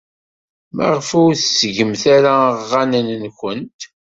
Maɣef ur tettgemt ara aɣanen-nwent?